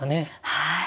はい。